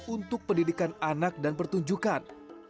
untuk pendidikan anak dan pertunjukan